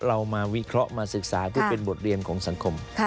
เรามาวิเคราะห์มาศึกษาเพื่อเป็นบทเรียนของสังคม